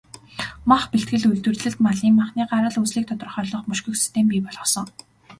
Мах бэлтгэл, үйлдвэрлэлд малын махны гарал үүслийг тодорхойлох, мөшгөх систем бий болгосон.